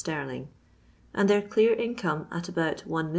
sterling, and their clear income at about 1,000,000